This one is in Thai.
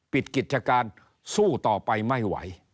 ปิดกิจการสู้ต่อไปไม่ไหว